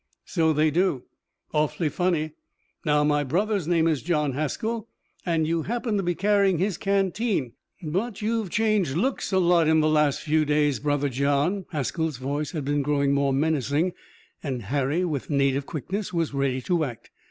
"So they do. Awfully funny. Now my brother's name is John Haskell, and you happen to be carrying his canteen, but you've changed looks a lot in the last few days, Brother John." Haskell's voice had been growing more menacing, and Harry, with native quickness, was ready to act.